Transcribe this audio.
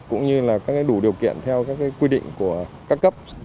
cũng như là các đủ điều kiện theo các quy định của các cấp